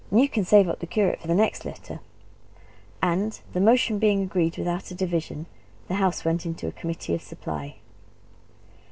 And you can save up the curate for the next litter!" And the motion being agreed to without a division, the House went into Committee of Supply.